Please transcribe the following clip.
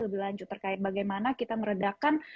lebih lanjut terkait bagaimana kita meredakan